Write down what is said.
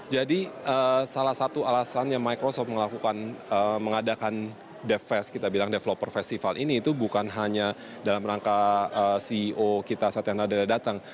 jadi salah satu alasannya microsoft mengadakan devfest kita bilang developer festival ini itu bukan hanya dalam rangka ceo kita saat yang ada datang